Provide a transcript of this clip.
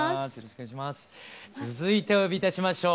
続いてお呼びいたしましょう。